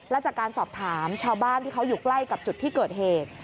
และจากการสอบถามชาวบ้านที่เขาอยู่ใกล้กับจุดที่เกิดเหตุ